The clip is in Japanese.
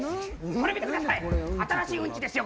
これ見てください新しいウンチですよ